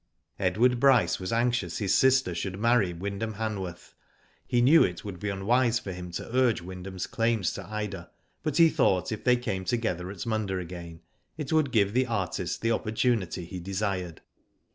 Edward Bryce was anxious his sister should marry Wyndham Hanworth. Digitized byGoogk 286 WHO DID IT? He knew it would be unwise for him to urge Wyndham's claims to Ida, but he thought if they came together at Munda again, it would give the artist the opportunity he desired.